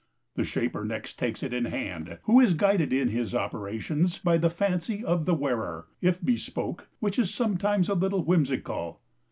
The shaper next takes it in hand, who is guided in his operations by the fancy of the wearer, if bespoke, which is sometimes a little whimsical.